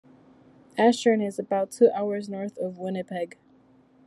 Ashern is about two hours north of Winnipeg.